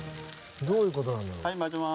どういう事なんだろう？